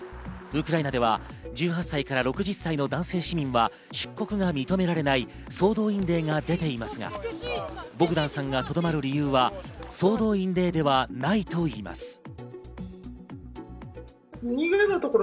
ウクライナでは１８歳から６０歳の男性市民は出国が認められない総動員令が出ていますが、ボグダンさんがとどまる理由は総動員令ではないといいます。